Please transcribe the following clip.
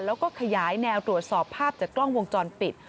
แล้วก็ขยายแนวตรวจสอบภาพจากกล้องวงจรปิด